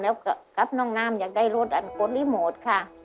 แล้วกับน้องน้ำอย่าได้รถอันโกรธรีโมทค่ะ